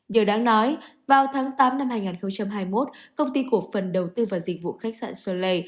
điều đáng nói vào tháng tám năm hai nghìn hai mươi một công ty cổ phần đầu tư và dịch vụ khách sạn soleil